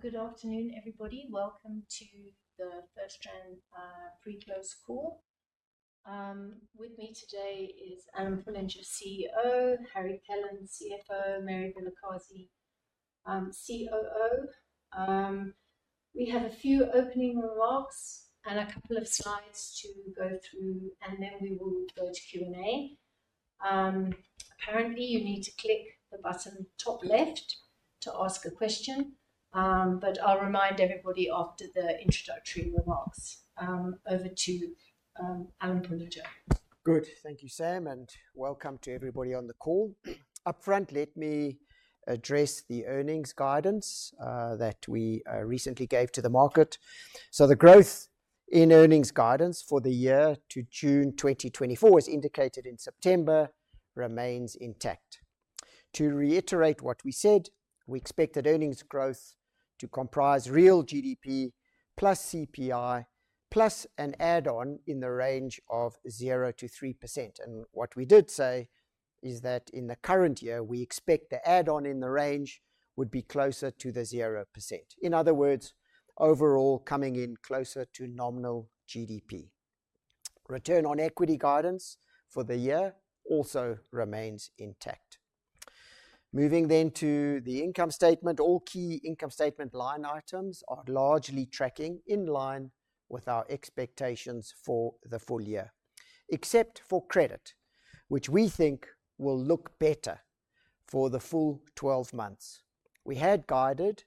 Good afternoon, everybody. Welcome to the FirstRand Pre-Close Call. With me today is Alan Pullinger, CEO, Harry Kellan, CFO, Mary Vilakazi, COO. We have a few opening remarks and a couple of slides to go through, and then we will go to Q&A. Apparently, you need to click the button top left to ask a question, but I'll remind everybody after the introductory remarks. Over to Alan Pullinger. Good. Thank you, Sam, and welcome to everybody on the call. Upfront, let me address the earnings guidance that we recently gave to the market. The growth in earnings guidance for the year to June 2024, as indicated in September, remains intact. To reiterate what we said, we expected earnings growth to comprise real GDP, plus CPI, plus an add-on in the range of 0%-3%. What we did say is that in the current year, we expect the add-on in the range would be closer to the 0%. In other words, overall coming in closer to nominal GDP. Return on equity guidance for the year also remains intact. Moving then to the income statement. All key income statement line items are largely tracking in line with our expectations for the full year, except for credit, which we think will look better for the full 12 months. We had guided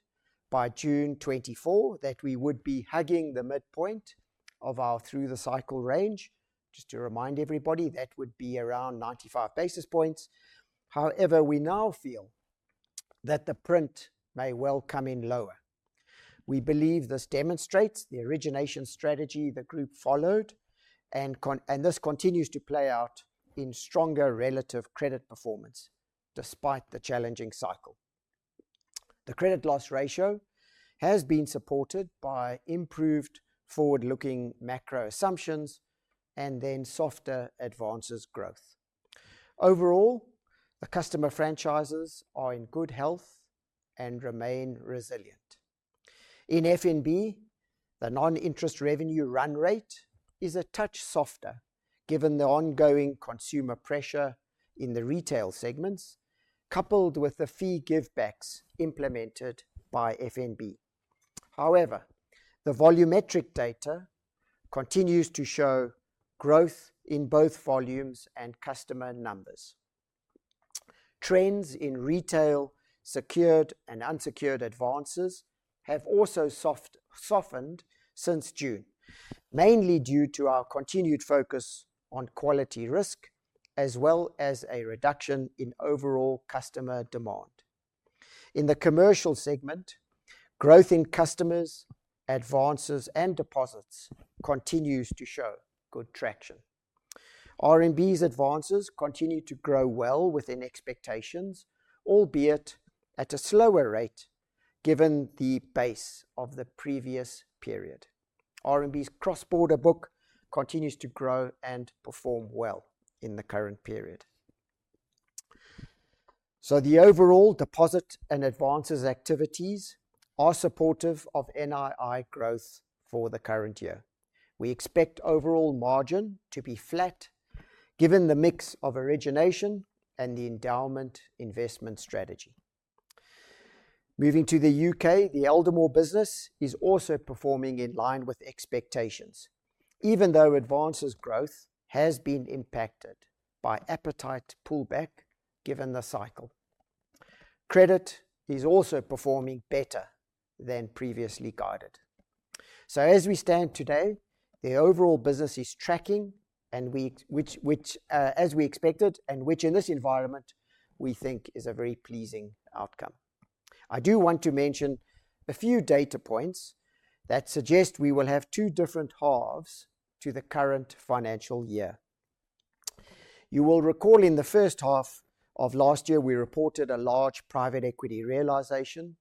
by June 2024 that we would be hugging the midpoint of our through-the-cycle range. Just to remind everybody, that would be around 95 basis points. However, we now feel that the print may well come in lower. We believe this demonstrates the origination strategy the group followed, and this continues to play out in stronger relative credit performance despite the challenging cycle. The credit loss ratio has been supported by improved forward-looking macro assumptions and then softer advances growth. Overall, the customer franchises are in good health and remain resilient. In FNB, the non-interest revenue run rate is a touch softer, given the ongoing consumer pressure in the retail segments, coupled with the fee givebacks implemented by FNB. However, the volumetric data continues to show growth in both volumes and customer numbers. Trends in retail, secured and unsecured advances have also softened since June, mainly due to our continued focus on quality risk, as well as a reduction in overall customer demand. In the commercial segment, growth in customers, advances, and deposits continues to show good traction. RMB's advances continue to grow well within expectations, albeit at a slower rate, given the base of the previous period. RMB's cross-border book continues to grow and perform well in the current period. So the overall deposit and advances activities are supportive of NII growth for the current year. We expect overall margin to be flat, given the mix of origination and the endowment investment strategy. Moving to the U.K., the Aldermore business is also performing in line with expectations, even though advances growth has been impacted by appetite pullback given the cycle. Credit is also performing better than previously guided. So as we stand today, the overall business is tracking, which, as we expected, and which in this environment, we think is a very pleasing outcome. I do want to mention a few data points that suggest we will have two different halves to the current financial year. You will recall in the first half of last year, we reported a large private equity realisation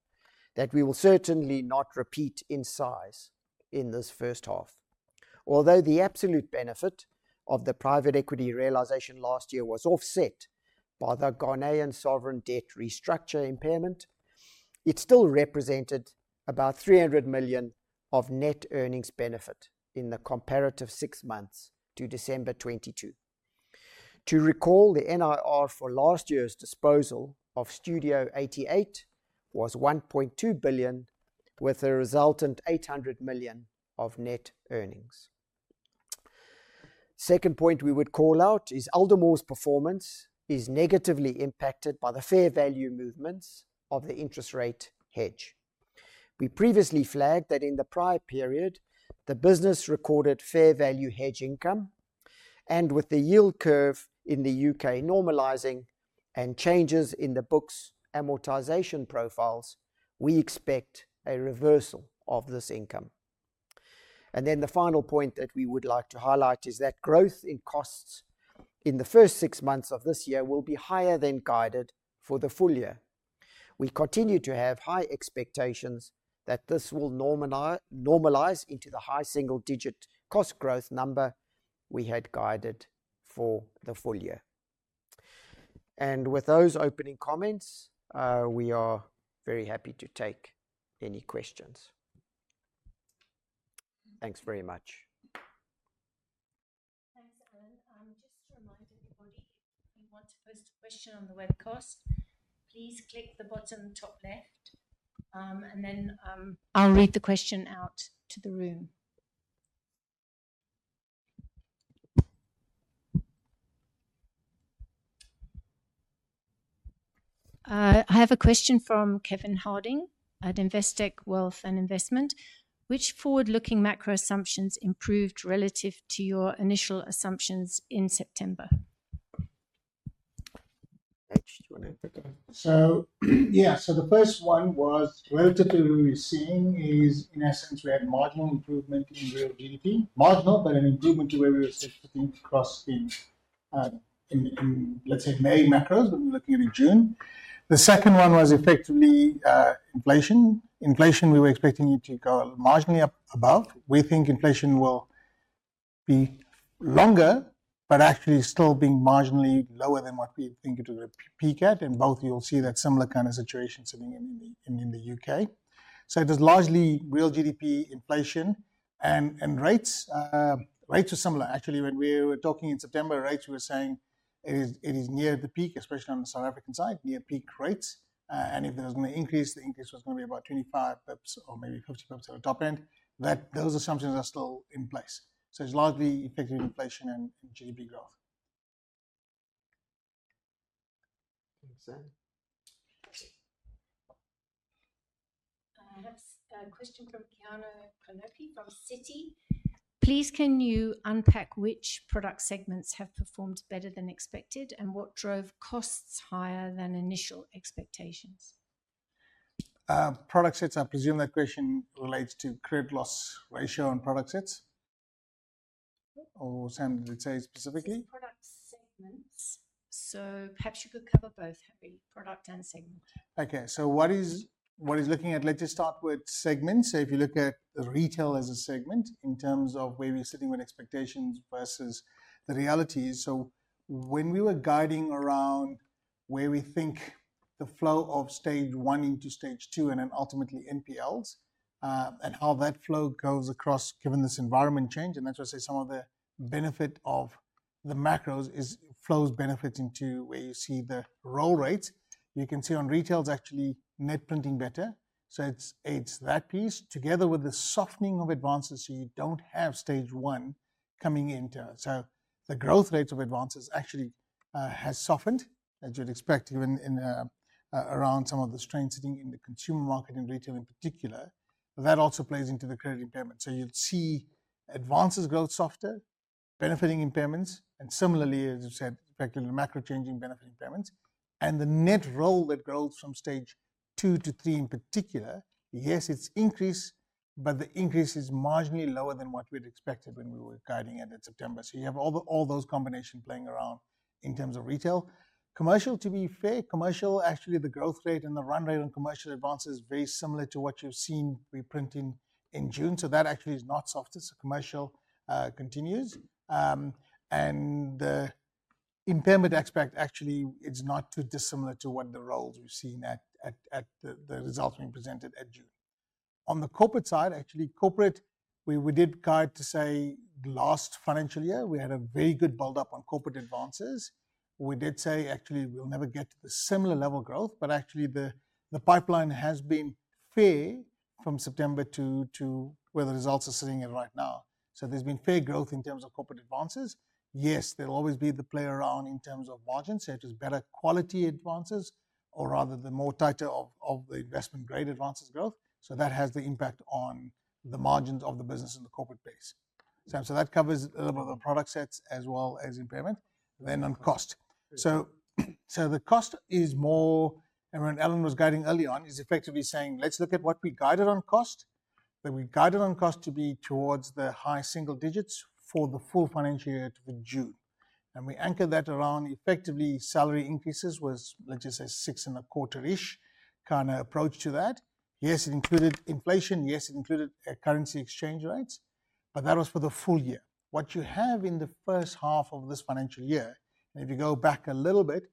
that we will certainly not repeat in size in this first half. Although the absolute benefit of the private equity realization last year was offset by the Ghanaian sovereign debt restructure impairment, it still represented about 300 million of net earnings benefit in the comparative six months to December 2022. To recall, the NIR for last year's disposal of Studio 88 was 1.2 billion, with a resultant 800 million of net earnings. Second point we would call out is Aldermore's performance is negatively impacted by the fair value movements of the interest rate hedge. We previously flagged that in the prior period, the business recorded fair value hedge income, and with the yield curve in the U.K. normalizing and changes in the book's amortization profiles, we expect a reversal of this income. Then the final point that we would like to highlight is that growth in costs in the first six months of this year will be higher than guided for the full year. We continue to have high expectations that this will normalize into the high single-digit cost growth number we had guided for the full year. With those opening comments, we are very happy to take any questions. Thanks very much. Thanks, Alan. Just to remind everybody, if you want to post a question on the webcast, please click the button top left, and then, I'll read the question out to the room. I have a question from Kevin Harding at Investec Wealth and Investment: Which forward-looking macro assumptions improved relative to your initial assumptions in September? Do you wanna take that? So, yeah. So the first one was relatively we were seeing is, in essence, we had marginal improvement in real GDP. Marginal, but an improvement to where we were sitting across in, let's say, May macros, but we're looking at in June. The second one was effectively, inflation. Inflation, we were expecting it to go marginally up above. We think inflation will be longer, but actually still being marginally lower than what we think it would peak at, and both you'll see that similar kind of situation sitting in the, in the U.K. So there's largely real GDP inflation and, and rates. Rates are similar. Actually, when we were talking in September rates, we were saying it is, it is near the peak, especially on the South African side, near peak rates. If there was going to increase, the increase was going to be about 25 pips or maybe 50 bps on the top end, that those assumptions are still in place. So it's largely effective inflation and GDP growth. Thanks, Sam. Next, a question from Keonon Konoki from Citi: Please, can you unpack which product segments have performed better than expected, and what drove costs higher than initial expectations? Product sets, I presume that question relates to credit loss ratio on product sets, or Sam, did it say specifically? Product segments. So perhaps you could cover both, Harry, product and segment. Okay. So let's just start with segments. So if you look at retail as a segment in terms of where we're sitting with expectations versus the reality. So when we were guiding around where we think the flow of stage one into stage two and then ultimately NPLs, and how that flow goes across, given this environment change, and that's why I say some of the benefit of the macros is flows benefiting to where you see the roll rates. You can see on retail, it's actually net printing better, so it's, it's that piece, together with the softening of advances, so you don't have stage one coming into it. So the growth rate of advances actually has softened, as you'd expect, even in around some of the strain sitting in the consumer market and retail in particular. But that also plays into the credit impairment. So you'd see advances growth softer, benefiting impairments, and similarly, as you said, effectively, the macro changing benefit impairments. And the net roll, that growth from stage two to three in particular, yes, it's increased, but the increase is marginally lower than what we'd expected when we were guiding it in September. So you have all the, all those combinations playing around in terms of retail. Commercial, to be fair, actually, the growth rate and the run rate on commercial advances is very similar to what you've seen reporting in June. So that actually is not softer. So commercial continues. And the impairment aspect actually is not too dissimilar to what the roll we've seen at the results being presented at June. On the corporate side, actually, corporate, we did guide to say the last financial year, we had a very good build-up on corporate advances. We did say, actually, we'll never get to the similar level of growth, but actually the pipeline has been fair from September to where the results are sitting at right now. So there's been fair growth in terms of corporate advances. Yes, there'll always be the play around in terms of margins, so it is better quality advances or rather the more tighter of the investment grade advances growth. So that has the impact on the margins of the business and the corporate base. So that covers a little bit of the product sets as well as impairment. Then on cost. So the cost is more... When Alan was guiding early on, he's effectively saying, "Let's look at what we guided on cost." That we guided on cost to be towards the high single digits for the full financial year to the June. And we anchored that around effectively salary increases was, let's just say, 6.25-ish kind of approach to that. Yes, it included inflation, yes, it included currency exchange rates, but that was for the full year. What you have in the first half of this financial year, and if you go back a little bit,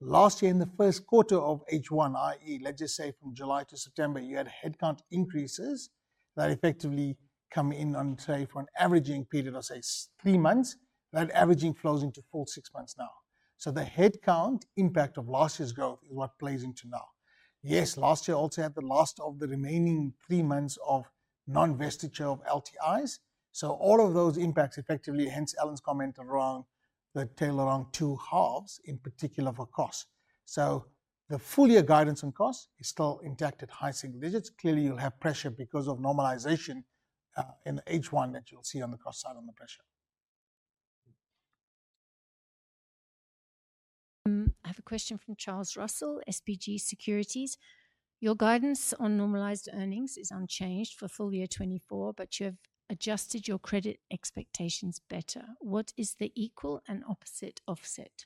last year, in the first quarter of H1, i.e., let's just say from July to September, you had headcount increases that effectively come in on, say, for an averaging period of, say, 3 months. That averaging flows into full 6 months now. So the headcount impact of last year's growth is what plays into now. Yes, last year also had the last of the remaining three months of non-vested share of LTIs. So all of those impacts effectively, hence Alan's comment around the tail around two halves, in particular for cost. So the full year guidance on cost is still intact at high single digits. Clearly, you'll have pressure because of normalization, in the H1 that you'll see on the cost side on the pressure. I have a question from Charles Russell, SBG Securities. Your guidance on normalized earnings is unchanged for full year 2024, but you have adjusted your credit expectations better. What is the equal and opposite offset?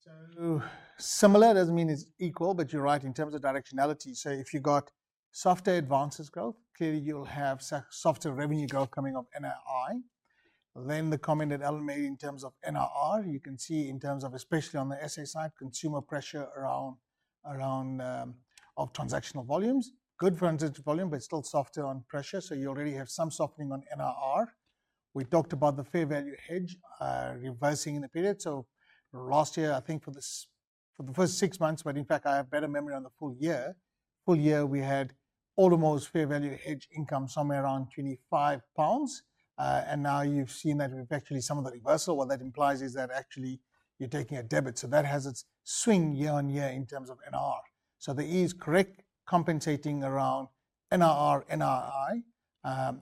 So similar doesn't mean it's equal, but you're right in terms of directionality. So if you got softer advances growth, clearly you'll have softer revenue growth coming off NII. Then the comment that Al made in terms of NIR, you can see in terms of, especially on the SA side, consumer pressure around, around, of transactional volumes. Good transactions volume, but it's still softer on pressure, so you already have some softening on NIR. We talked about the fair value hedge reversing in the period. So last year, I think for the first six months, but in fact, I have better memory on the full year. Full year, we had almost fair value hedge income, somewhere around 25 pounds. And now you've seen that we've actually some of the reversal. What that implies is that actually you're taking a debit, so that has its swing year-on-year in terms of NIR. So there is correct compensating around NRR, NII,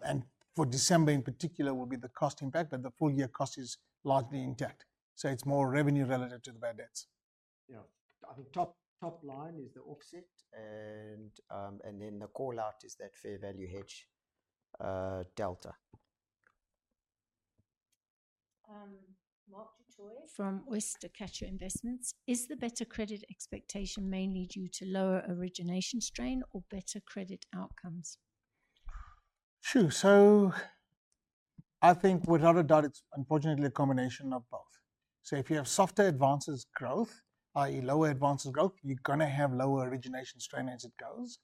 and for December in particular, will be the cost impact, but the full year cost is largely intact. So it's more revenue relative to the bad debts. Yeah. I think top, top line is the offset, and, and then the call out is that fair value hedge, delta. Mark du Toit from Oyster Catcher Investments: Is the better credit expectation mainly due to lower origination strain or better credit outcomes? Sure. So I think without a doubt, it's unfortunately a combination of both. So if you have softer advances growth, i.e., lower advances growth, you're gonna have lower origination strain as it goes.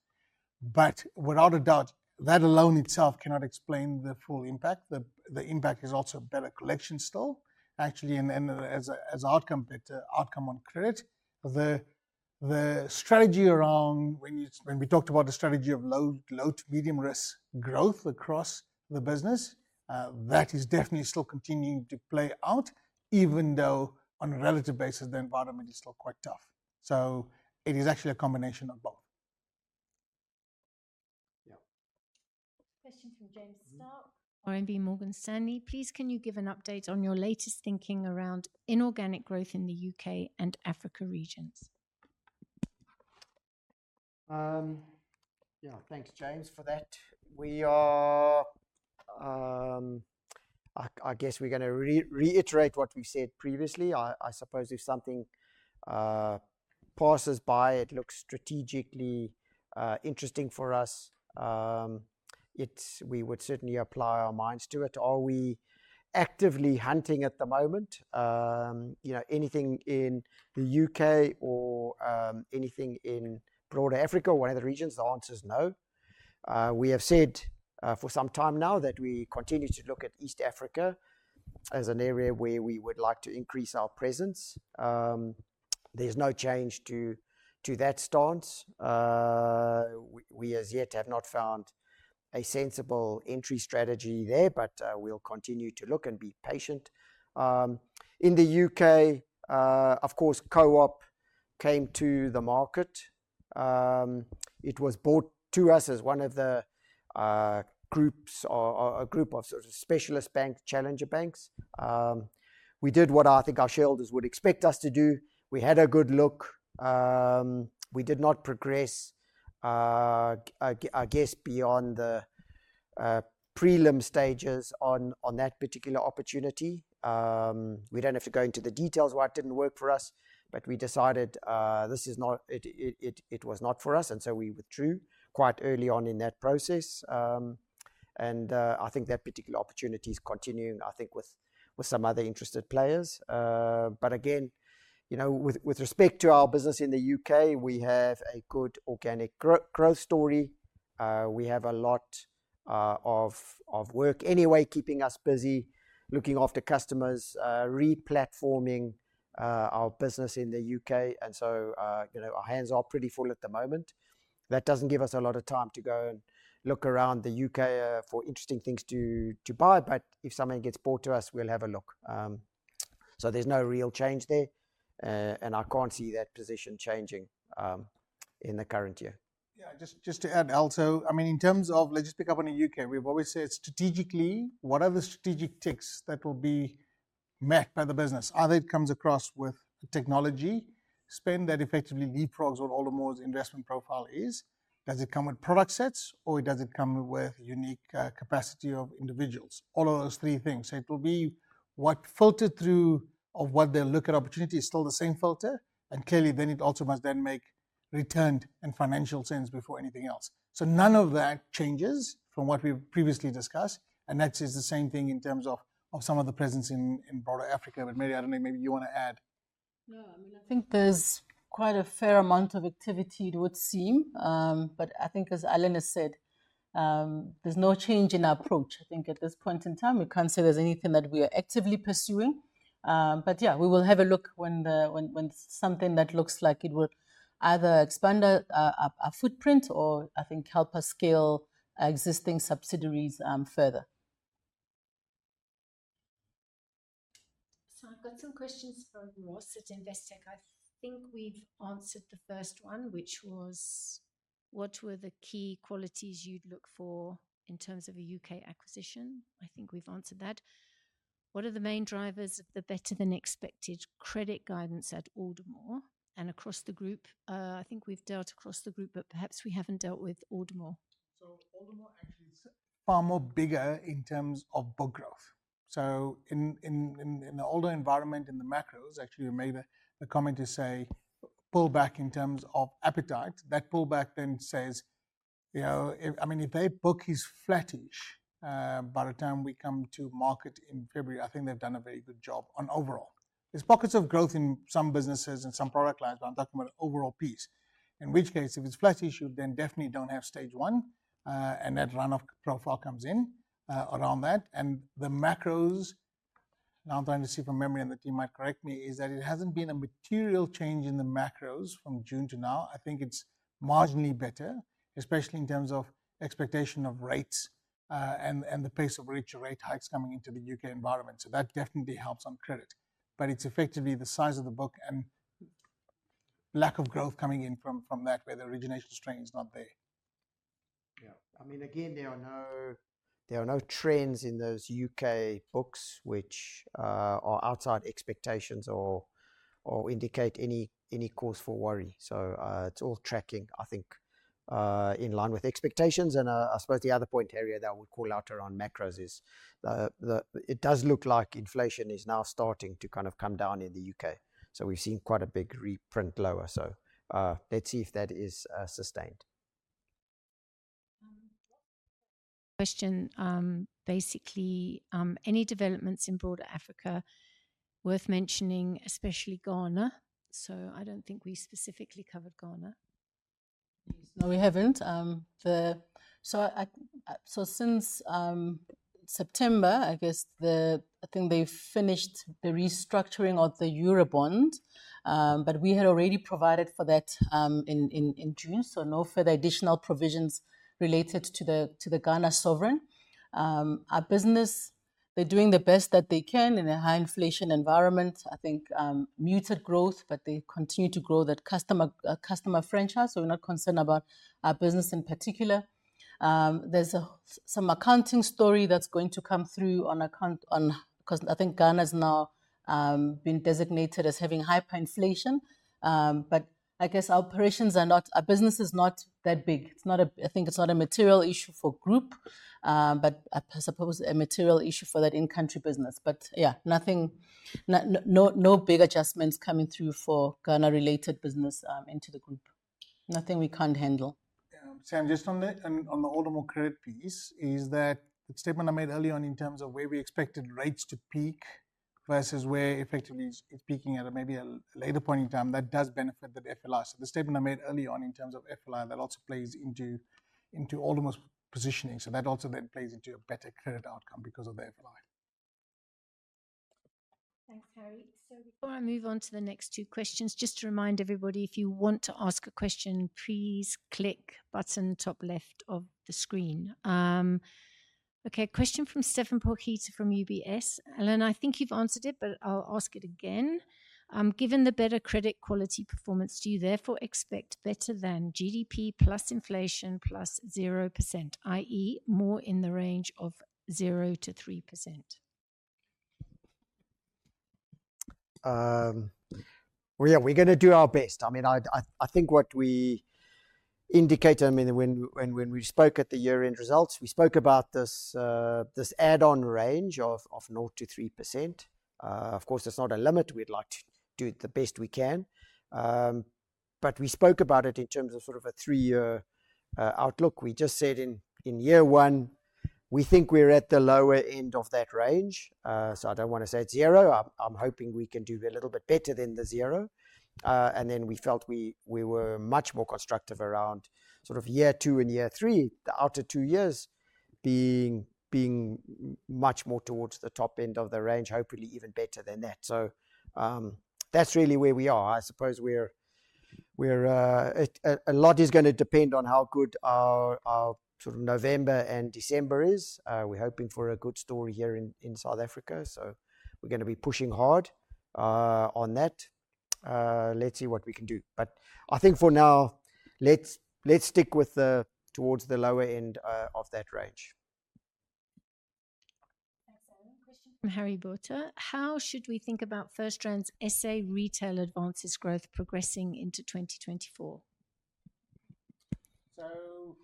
But without a doubt, that alone itself cannot explain the full impact. The impact is also better collection still, actually, and then as outcome, better outcome on credit. The strategy around when we talked about the strategy of low- to medium-risk growth across the business, that is definitely still continuing to play out, even though on a relative basis, the environment is still quite tough. So it is actually a combination of both. Yeah. Question from James Starke Mm-hmm. RMB Morgan Stanley. Please, can you give an update on your latest thinking around inorganic growth in the UK and Africa regions? Yeah, thanks, James, for that. We are, I guess we're gonna reiterate what we said previously. I suppose if something passes by, it looks strategically interesting for us, it we would certainly apply our minds to it. Are we actively hunting at the moment? You know, anything in the U.K. or anything in broader Africa or one of the regions? The answer is no. We have said for some time now that we continue to look at East Africa as an area where we would like to increase our presence. There's no change to that stance. We as yet have not found a sensible entry strategy there, but we'll continue to look and be patient. In the U.K., of course, Co-op came to the market. It was brought to us as one of the groups or a group of sort of specialist bank, challenger banks. We did what I think our shareholders would expect us to do. We had a good look. We did not progress, I guess, beyond the prelim stages on that particular opportunity. We don't have to go into the details why it didn't work for us, but we decided this is not. It was not for us, and so we withdrew quite early on in that process. I think that particular opportunity is continuing, I think with some other interested players. But again, you know, with respect to our business in the U.K., we have a good organic growth story. We have a lot of work anyway, keeping us busy, looking after customers, re-platforming our business in the U.K. And so, you know, our hands are pretty full at the moment. That doesn't give us a lot of time to go and look around the U.K. for interesting things to buy, but if something gets brought to us, we'll have a look. So there's no real change there, and I can't see that position changing in the current year. Yeah, just, just to add, Al. So, I mean, in terms of... Let's just pick up on the U.K. We've always said strategically, what are the strategic ticks that will be met by the business? Either it comes across with technology, spend that effectively leapfrogs what Aldermore's investment profile is. Does it come with product sets, or does it come with unique, capacity of individuals? All of those three things. So it will be what filtered through of what they look at opportunity is still the same filter, and clearly, then it also must then make return and financial sense before anything else. So none of that changes from what we've previously discussed, and that is the same thing in terms of, of some of the presence in, in broader Africa. But, Mary, I don't know, maybe you want to add? No, I mean, I think there's quite a fair amount of activity, it would seem. But I think as Alan has said, there's no change in our approach. I think at this point in time, we can't say there's anything that we are actively pursuing. But yeah, we will have a look when the... when, when something that looks like it would either expand our, our footprint or I think help us scale our existing subsidiaries, further. I've got some questions from Ross at Investec. I think we've answered the first one, which was: What were the key qualities you'd look for in terms of a U.K. acquisition? I think we've answered that. What are the main drivers of the better-than-expected credit guidance at Aldermore and across the group? I think we've dealt across the group, but perhaps we haven't dealt with Aldermore. So Aldermore actually is far more bigger in terms of book growth. So in the older environment, in the macros, actually, we made a comment to say, "Pull back in terms of appetite." That pullback then says, you know, if, I mean, if their book is flattish by the time we come to market in February, I think they've done a very good job on overall. There's pockets of growth in some businesses and some product lines, but I'm talking about overall piece. In which case, if it's flattish, then definitely don't have Stage one, and that run-off profile comes in around that. And the macros, now I'm trying to see from memory, and the team might correct me, is that it hasn't been a material change in the macros from June to now. I think it's marginally better, especially in terms of expectation of rates, and the pace of which rate hikes coming into the U.K. environment. So that definitely helps on credit, but it's effectively the size of the book and lack of growth coming in from that, where the origination strain is not there. Yeah. I mean, again, there are no trends in those U.K. books which are outside expectations or indicate any cause for worry. So, it's all tracking, I think, in line with expectations. And, I suppose the other point area that I would call out around macros is the. It does look like inflation is now starting to kind of come down in the U.K., so we've seen quite a big reprint lower. So, let's see if that is sustained. Question, basically, any developments in broader Africa worth mentioning, especially Ghana? So I don't think we specifically covered Ghana. No, we haven't. So since September, I guess the... I think they finished the restructuring of the Eurobond, but we had already provided for that, in June, so no further additional provisions related to the Ghana sovereign. Our business, they're doing the best that they can in a high inflation environment. I think, muted growth, but they continue to grow that customer customer franchise, so we're not concerned about our business in particular. There's some accounting story that's going to come through on account of... 'Cause I think Ghana's now been designated as having hyperinflation. But I guess our operations are not-- our business is not that big. It's not a, I think it's not a material issue for group, but I suppose a material issue for that in-country business. But, yeah, nothing, no big adjustments coming through for Ghana-related business, into the group. Nothing we can't handle. Yeah. Sam, just on the, on the Aldermore Credit piece, is that the statement I made early on in terms of where we expected rates to peak versus where effectively it's peaking at a maybe a later point in time, that does benefit the FLI. So the statement I made early on in terms of FLI, that also plays into, into Aldermore's positioning, so that also then plays into a better credit outcome because of the FLI. Thanks, Harry. So before I move on to the next two questions, just to remind everybody, if you want to ask a question, please click button top left of the screen. Okay, question from Stephan Potgieter from UBS. Alan, I think you've answered it, but I'll ask it again: Given the better credit quality performance, do you therefore expect better than GDP plus inflation plus 0%, i.e., more in the range of 0%-3%? Well, yeah, we're gonna do our best. I mean, I think what we indicated, I mean, when we spoke at the year-end results, we spoke about this add-on range of 0%-3%. Of course, that's not a limit. We'd like to do the best we can. But we spoke about it in terms of sort of a three-year outlook. We just said in year one, we think we're at the lower end of that range. So I don't wanna say it's zero. I'm hoping we can do a little bit better than the zero. And then we felt we were much more constructive around sort of year two and year three, the outer two years being much more towards the top end of the range, hopefully even better than that. So, that's really where we are. I suppose we're a lot is gonna depend on how good our sort of November and December is. We're hoping for a good story here in South Africa, so we're gonna be pushing hard on that. Let's see what we can do. But I think for now, let's stick with towards the lower end of that range. Thanks, Alan. Question from Harry Botha: How should we think about FirstRand's SA retail advances growth progressing into 2024? So,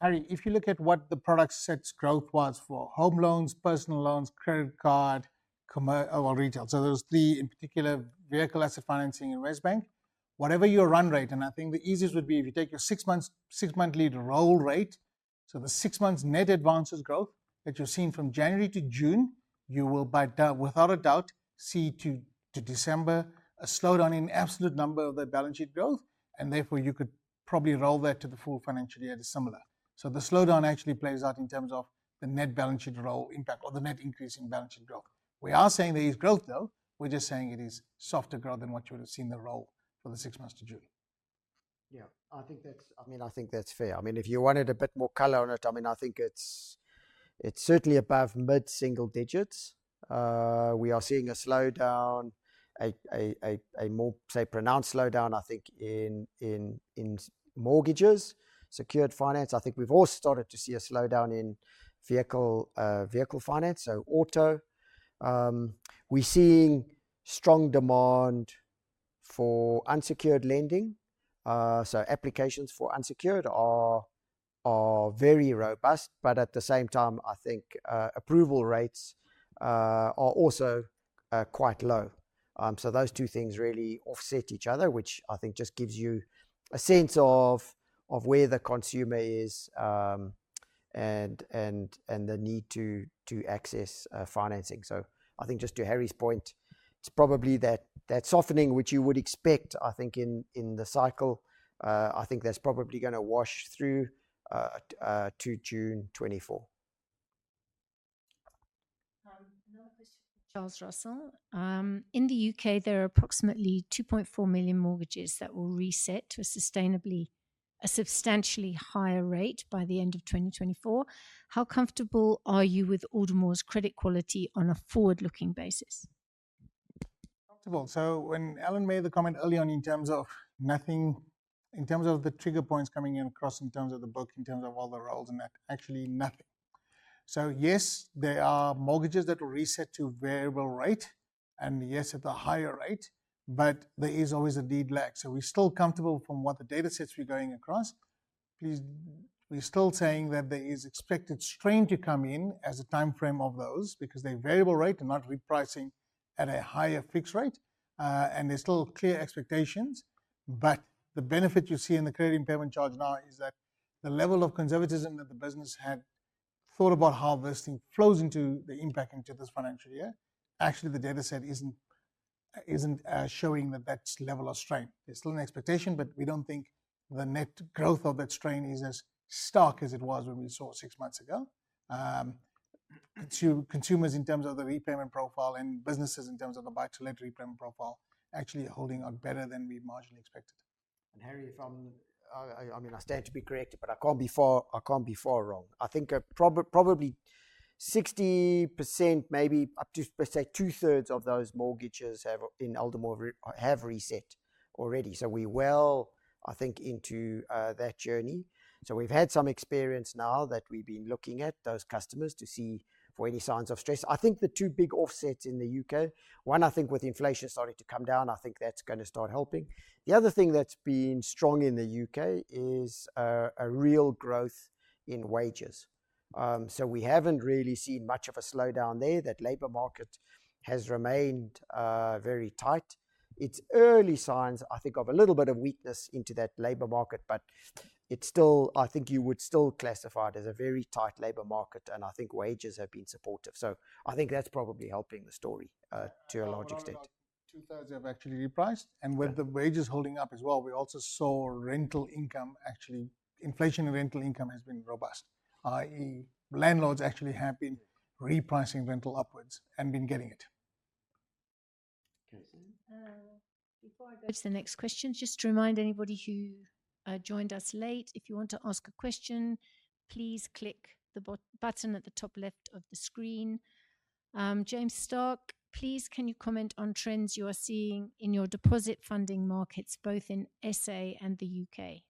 Harry, if you look at what the product set's growth was for home loans, personal loans, credit card, commercial or retail, so those three in particular, vehicle asset financing and WesBank, whatever your run rate, and I think the easiest would be if you take your six months, six-monthly roll rate. So the six months net advances growth that you're seeing from January to June, you will undoubtedly see to December, a slowdown in absolute number of the balance sheet growth, and therefore, you could probably roll that to the full financial year at December. So the slowdown actually plays out in terms of the net balance sheet roll impact or the net increase in balance sheet growth. We are saying there is growth, though. We're just saying it is softer growth than what you would have seen the result for the six months to June. Yeah, I think that's fair. I mean, if you wanted a bit more color on it, I mean, I think it's certainly above mid-single digits. We are seeing a slowdown, a more pronounced slowdown, I think, in mortgages, secured finance. I think we've all started to see a slowdown in vehicle finance, so auto. We're seeing strong demand for unsecured lending. So applications for unsecured are very robust, but at the same time, I think, approval rates are also quite low. So those two things really offset each other, which I think just gives you a sense of where the consumer is, and the need to access financing. So I think just to Harry's point, it's probably that softening, which you would expect, I think, in the cycle, I think that's probably gonna wash through to June 2024. Another question from Charles Russell. In the U.K., there are approximately 2.4 million mortgages that will reset to a substantially higher rate by the end of 2024. How comfortable are you with Aldermore's credit quality on a forward-looking basis? Comfortable. So when Alan made the comment earlier on in terms of the trigger points coming in across, in terms of the book, in terms of all the roles and that, actually nothing. So yes, there are mortgages that will reset to variable rate, and yes, at a higher rate, but there is always a time lag. So we're still comfortable from what the data sets we're going across. We're still saying that there is expected strain to come in as a timeframe of those because they're variable rate and not repricing at a higher fixed rate, and there's still clear expectations. But the benefit you see in the credit impairment charge now is that the level of conservatism that the business had thought about how this thing flows into the impact into this financial year, actually, the data set isn't showing that that's level of strain. There's still an expectation, but we don't think the net growth of that strain is as stark as it was when we saw it six months ago. To consumers, in terms of the repayment profile and businesses, in terms of the buy-to-let repayment profile, actually holding up better than we marginally expected. And, Harry, I mean, I stand to be corrected, but I can't be far wrong. I think probably 60%, maybe up to, let's say, two-thirds of those mortgages have in Aldermore reset already. So we're well, I think, into that journey. So we've had some experience now that we've been looking at those customers to see for any signs of stress. I think the two big offsets in the U.K., one, I think with inflation starting to come down, I think that's gonna start helping. The other thing that's been strong in the U.K. is a real growth in wages. So we haven't really seen much of a slowdown there. That labor market has remained very tight. It's early signs, I think, of a little bit of weakness into that labor market, but it's still... I think you would still classify it as a very tight labor market, and I think wages have been supportive. So I think that's probably helping the story, to a large extent. Around about two-thirds have actually repriced, and with the wages holding up as well, we also saw rental income actually... inflation and rental income has been robust, i.e., landlords actually have been repricing rental upwards and been getting it. Okay. Before I go to the next question, just to remind anybody who joined us late, if you want to ask a question, please click the bottom button at the top left of the screen. James Stark: Please, can you comment on trends you are seeing in your deposit funding markets, both in SA and the U.K.?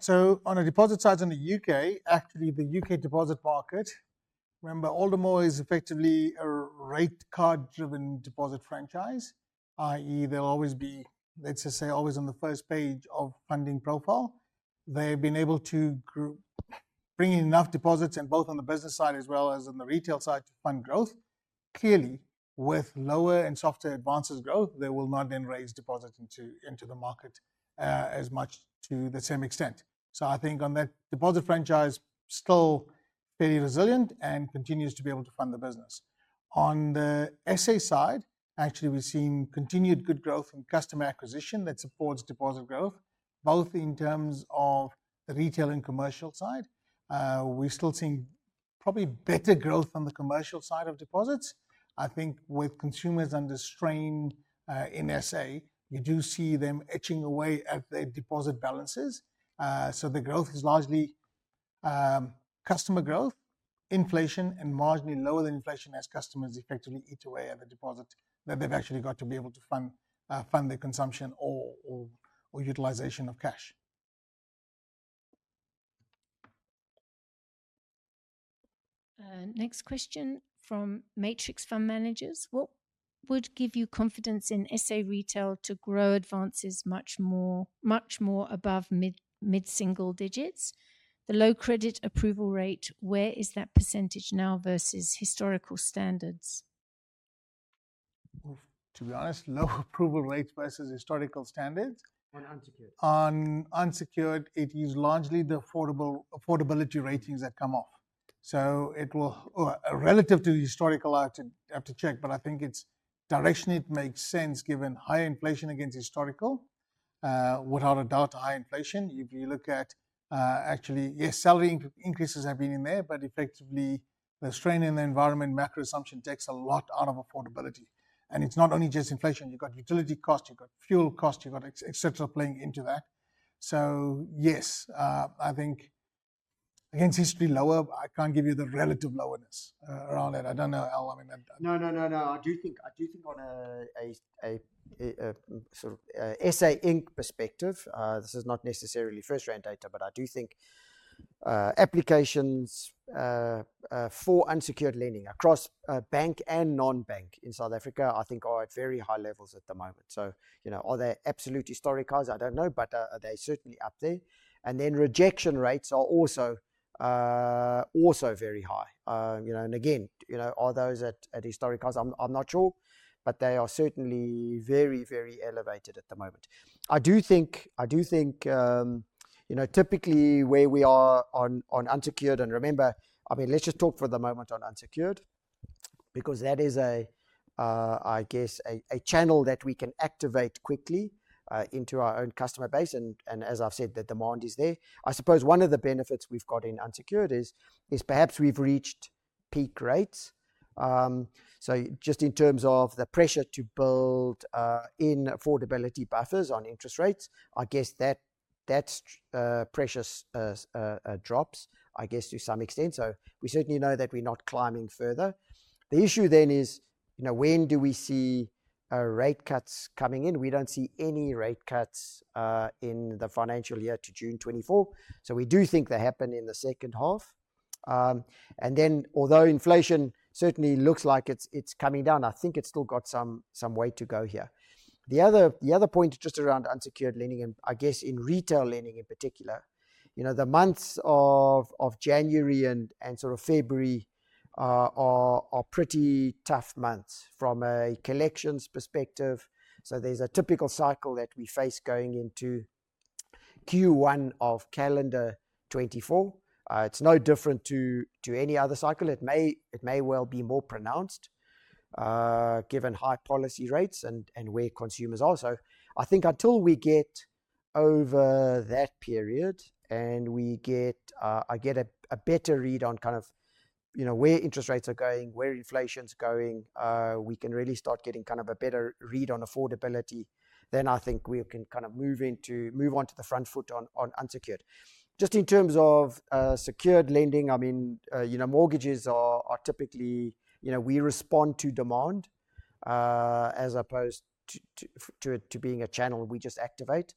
So on a deposit side, in the U.K., actually, the UK deposit market, remember, Aldermore is effectively a rate card-driven deposit franchise, i.e., they'll always be, let's just say, always on the first page of funding profile. They've been able to bring in enough deposits and both on the business side as well as on the retail side to fund growth. Clearly, with lower and softer advances growth, they will not then raise deposits into the market as much to the same extent. So I think on that deposit franchise, still fairly resilient and continues to be able to fund the business. On the SA side, actually, we've seen continued good growth in customer acquisition that supports deposit growth, both in terms of the retail and commercial side. We're still seeing probably better growth on the commercial side of deposits. I think with consumers under strain in SA, you do see them eating away at their deposit balances. So the growth is largely customer growth, inflation, and marginally lower than inflation as customers effectively eat away at the deposit that they've actually got to be able to fund their consumption or utilization of cash. Next question from Matrix Fund Managers. What would give you confidence in SA retail to grow advances much more, much more above mid, mid-single digits? The low credit approval rate, where is that percentage now versus historical standards? Well, to be honest, low approval rates versus historical standards- On unsecured... On unsecured, it is largely the affordability ratings that come off. So it will... Relative to the historical, I'll have to check, but I think it's directionally it makes sense, given high inflation against historical. Without a doubt, high inflation. If you look at, actually, yes, salary increases have been in there, but effectively, the strain in the environment, macro assumption takes a lot out of affordability. And it's not only just inflation, you've got utility costs, you've got fuel costs, you've got et cetera, playing into that. So yes, I think against history, lower, I can't give you the relative lowness, around it. I don't know, Al, I mean, I'm- No, no, no, no. I do think, I do think on a sort of SA Inc. perspective, this is not necessarily FirstRand data, but I do think applications for unsecured lending across bank and non-bank in South Africa, I think are at very high levels at the moment. So, you know, are they absolute historicals? I don't know, but they're certainly up there. And then rejection rates are also also very high. You know, and again, you know, are those at historicals? I'm not sure, but they are certainly very, very elevated at the moment. I do think, I do think, you know, typically where we are on unsecured... And remember, I mean, let's just talk for the moment on unsecured, because that is, I guess, a channel that we can activate quickly into our own customer base. And as I've said, the demand is there. I suppose one of the benefits we've got in unsecured is perhaps we've reached peak rates. So just in terms of the pressure to build in affordability buffers on interest rates, I guess that pressure subsides, I guess, to some extent. So we certainly know that we're not climbing further. The issue then is, you know, when do we see rate cuts coming in? We don't see any rate cuts in the financial year to June 2024, so we do think they happen in the second half. And then although inflation certainly looks like it's coming down, I think it's still got some way to go here. The other point just around unsecured lending, and I guess in retail lending in particular, you know, the months of January and sort of February are pretty tough months from a collections perspective. So there's a typical cycle that we face going into Q1 of calendar 2024. It's no different to any other cycle. It may well be more pronounced, given high policy rates and where consumers are. So I think until we get over that period, and we get... I get a better read on kind of, you know, where interest rates are going, where inflation's going, we can really start getting kind of a better read on affordability, then I think we can kind of move onto the front foot on unsecured. Just in terms of secured lending, I mean, you know, mortgages are typically, you know, we respond to demand, as opposed to being a channel we just activate.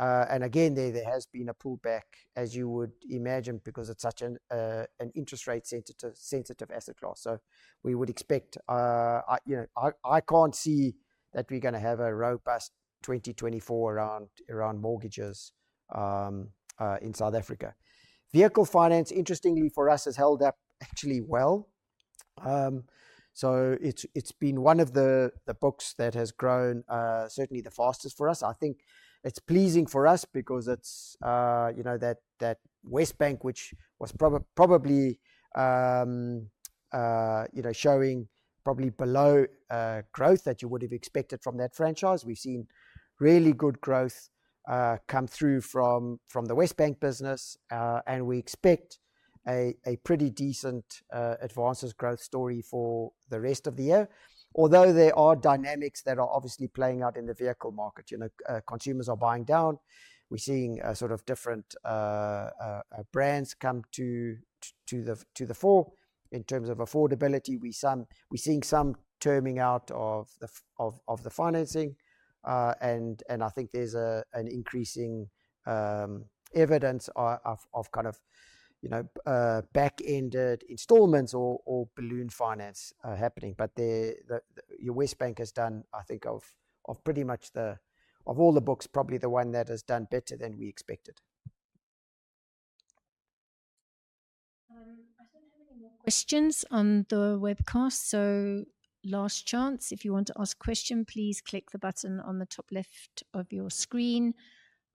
And again, there has been a pullback, as you would imagine, because it's such an interest rate sensitive asset class. So we would expect, You know, I can't see that we're gonna have a robust 2024 around mortgages in South Africa. Vehicle finance, interestingly for us, has held up actually well. So it's been one of the books that has grown certainly the fastest for us. I think it's pleasing for us because it's you know that WesBank which was probably you know showing probably below growth that you would have expected from that franchise. We've seen really good growth come through from the WesBank business. And we expect a pretty decent advances growth story for the rest of the year. Although there are dynamics that are obviously playing out in the vehicle market. You know consumers are buying down. We're seeing sort of different brands come to the fore in terms of affordability. We're seeing some terming out of the financing. I think there's an increasing evidence of kind of, you know, back-ended installments or balloon finance happening. But the WesBank has done, I think pretty much the... Of all the books, probably the one that has done better than we expected. I don't have any more questions on the webcast, so last chance. If you want to ask a question, please click the button on the top left of your screen.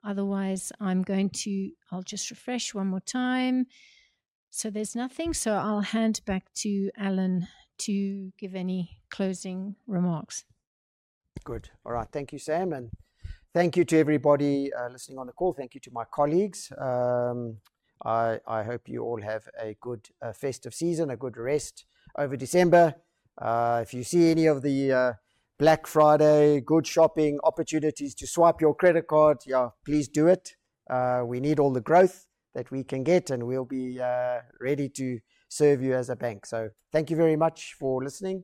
Otherwise, I'm going to... I'll just refresh one more time. So there's nothing, so I'll hand back to Alan to give any closing remarks. Good. All right. Thank you, Sam, and thank you to everybody listening on the call. Thank you to my colleagues. I hope you all have a good festive season, a good rest over December. If you see any of the Black Friday good shopping opportunities to swipe your credit card, yeah, please do it. We need all the growth that we can get, and we'll be ready to serve you as a bank. So thank you very much for listening,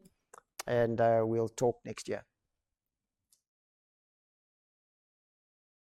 and we'll talk next year.